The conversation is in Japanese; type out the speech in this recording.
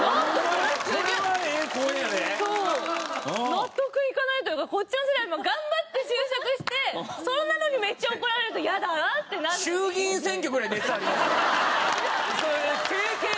納得いかないというかこっちの世代は頑張って就職してそれなのにめっちゃ怒られるとイヤだなってなるのに。